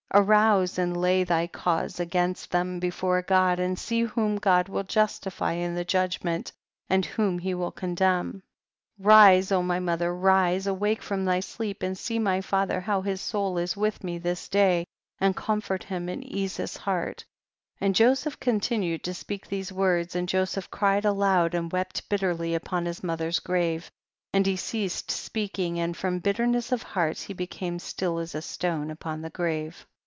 34. Arouse and lay thy* cause against them before God, and see whom God will justify in the judg ment, and whom he will condemn. 35. Rise my mother, rise, awake from thy sleep and see my father how his soul is with me this day, and comfort him and ease his heart. 36. And Joseph continued to speak these words, and Joseph cried aloud and Wept bitterly upon his mother's grave ; and he ceased speaking, and from bitterness of heart he became Still as a stone upon the grave.